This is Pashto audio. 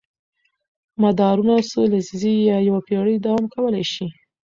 مدارونه څو لسیزې یا یوه پېړۍ دوام کولی شي.